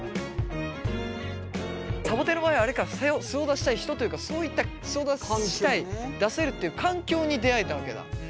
さぼてんの場合あれか素を出したい人というかそういった素を出したい出せるっていう環境に出会えたわけだ。